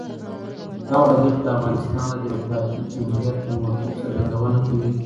هغه لیک د افغانستان د دموکراتیک جمهوریت د موقف څرګندونه کوي.